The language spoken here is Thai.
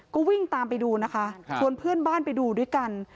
ก็วิ่งตามไปดูนะคะชวนเพื่อนบ้านไปดูด้วยกัน